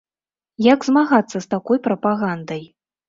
Як змагацца з такой прапагандай?